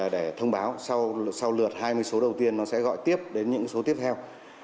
để thông báo sau lượt hai mươi số đầu tiên nó sẽ gọi tiếp đến những số tiếp theo